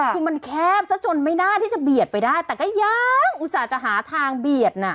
คือมันแคบซะจนไม่น่าที่จะเบียดไปได้แต่ก็ยังอุตส่าห์จะหาทางเบียดน่ะ